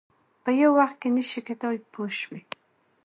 په یو وخت کې نه شي کېدای پوه شوې!.